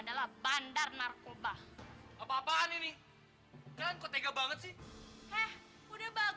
sampai jumpa di video selanjutnya